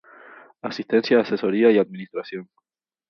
Asistencia Asesoría y Administración